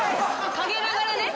陰ながらね。